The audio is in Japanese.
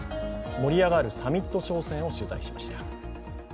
盛り上がるサミット商戦を取材しました。